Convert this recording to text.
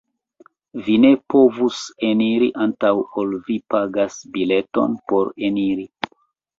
"Vi ne povus eniri antaŭ ol vi pagas bileton por eniri.